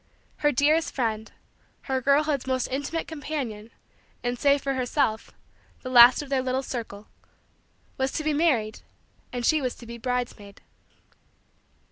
Her dearest friend her girlhood's most intimate companion, and, save for herself, the last of their little circle was to be married and she was to be bridesmaid.